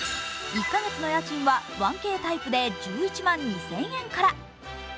１カ月の家賃は１Ｋタイプで１１万２０００円から。